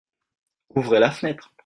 Ouvrez la fenêtre.